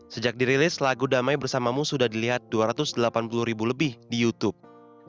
sejak dirilis lagu damai bersamamu sudah dilihat dua ratus delapan puluh ribu lebih di youtube